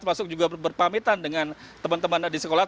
termasuk juga berpamitan dengan teman teman di sekolah